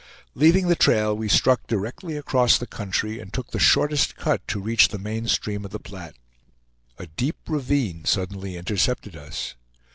Leaving the trail, we struck directly across the country, and took the shortest cut to reach the main stream of the Platte. A deep ravine suddenly intercepted us.